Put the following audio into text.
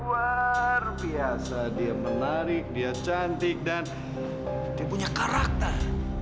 luar biasa dia menarik dia cantik dan dia punya karakter